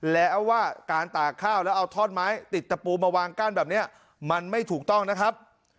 แล้วว่าการตากข้าวแล้วเอาท่อนไม้ติดตะปูมาวางกั้นแบบนี้มันไม่ถูกต้องนะครับ